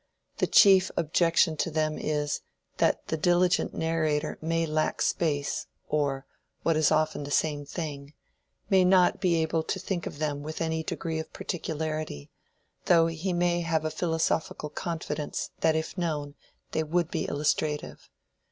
The chief objection to them is, that the diligent narrator may lack space, or (what is often the same thing) may not be able to think of them with any degree of particularity, though he may have a philosophical confidence that if known they would be illustrative.